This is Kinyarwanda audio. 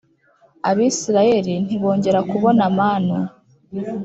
Abisirayeli ntibongera kubona manu